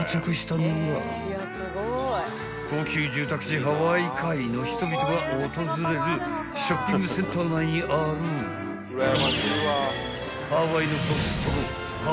［高級住宅地ハワイカイの人々が訪れるショッピングセンター内にあるハワイの］